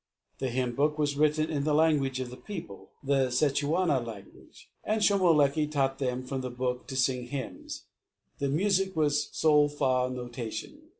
The hymn book was written in the language of the people the Sechuana language and Shomolekae taught them from the book to sing hymns. The music was the sol fa notation.